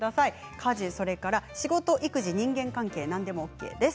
家事、仕事、育児、人間関係何でもＯＫです。